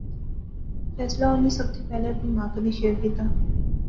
فیصلہ انی سب تھی پہلے اپنی ماں کنے شیئر کیتیا